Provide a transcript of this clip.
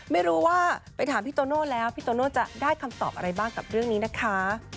ไม่รู้ว่าไปถามพี่โตโน่แล้วพี่โตโน่จะได้คำตอบอะไรบ้างกับเรื่องนี้นะคะ